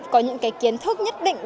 có những cái kiến thức nhất định